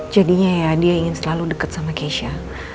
jadinya ya dia ingin selalu dekat sama keisha